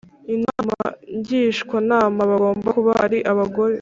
Inama Ngishwanama bagomba kuba ari abagore